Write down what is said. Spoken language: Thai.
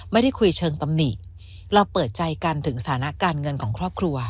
ไม่ได้คุยเชิงตำหนิเราเปิดใจกันถึงสถานะการเงินของครอบครัว